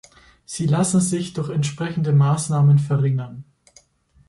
Sie lassen sich durch entsprechende Maßnahmen verringern.